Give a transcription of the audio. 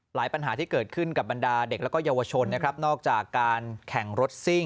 หลายปัญหาที่เกิดขึ้นกับบรรดาเด็กแล้วก็เยาวชนนอกจากการแข่งรถซิ่ง